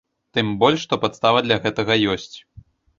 Тым больш, што падстава для гэтага ёсць.